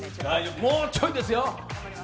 もうちょいですよ。